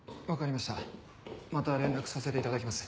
また連絡させて頂きます。